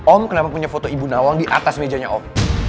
om kenapa punya foto ibu nawang di atas mejanya om